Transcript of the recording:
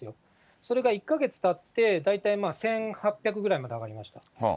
それが１か月たって、大体１８００ぐらいまで上がりました。